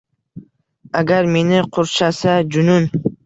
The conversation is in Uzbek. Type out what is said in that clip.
Agar meni qurshasa junun: